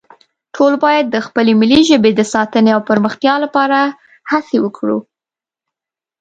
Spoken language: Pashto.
ټول باید د خپلې ملي ژبې د ساتنې او پرمختیا لپاره هڅې وکړو